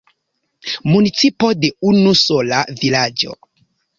Municipo de unu sola vilaĝo.